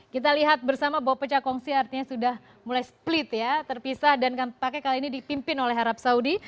kita lihat bersama bahwa pecah kongsi artinya sudah mulai split ya terpisah dan pakai kali ini dipimpin oleh arab saudi